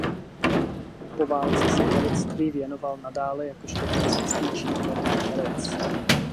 Po válce se herectví věnoval nadále jakožto klasický činoherní herec.